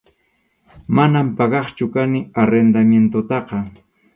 Manam pagaqchu kani arrendamientotaqa.